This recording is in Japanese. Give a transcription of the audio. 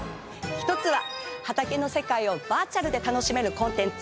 １つは畑の世界をバーチャルで楽しめるコンテンツ。